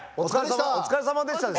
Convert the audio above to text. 「お疲れさまでした」ですか？